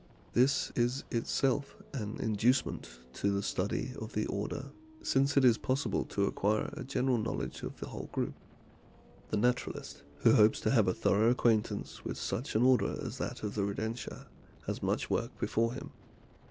This is itself an inducement to the study of the order, since it is possible to acquire a general knowledge of the whole group. The naturalist who hopes to have a thorough acquaintance with such an order as that of the Rodentia has much work before him.